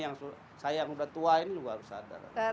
saya yang sudah tua ini harus sadar